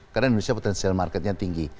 karena indonesia potensial marketnya tinggi